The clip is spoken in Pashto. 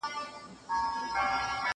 چي په غم او په ښادي کي خوا په خوا سي